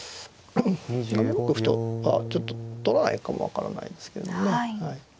７六歩とはちょっと取らないかも分からないですけどね。